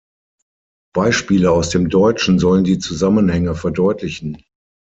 Beispiele aus dem Deutschen sollen die Zusammenhänge verdeutlichen.